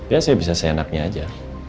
ya saya bisa seenaknya aja